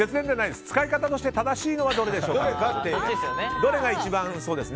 使い方として正しいのはどれかです。